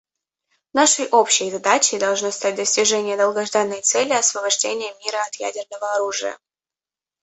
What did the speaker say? Нашей общей задачей должно стать достижение долгожданной цели освобождения мира от ядерного оружия.